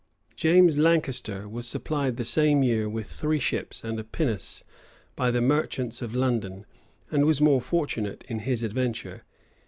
James Lancaster was supplied the same year with three ships and a pinnace by the merchants of London, and was more fortunate in his adventure.